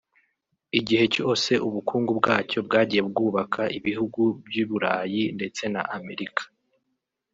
igihe cyose ubukungu bwacyo bwagiye bwubaka ibihugu by’i Burayi ndetse na Amerika